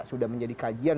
sudah menjadi kajian